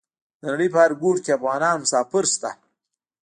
د نړۍ په هر ګوټ کې افغانان مسافر شته.